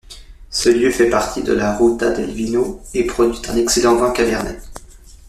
Ce lieu fait partie de la Ruta del Vino...et produit un excellent vin Cabernet.